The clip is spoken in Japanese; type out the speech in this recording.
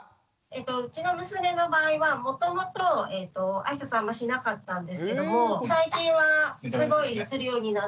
うちの娘の場合はもともとあいさつをあんまりしなかったんですけども最近はすごいするようになって。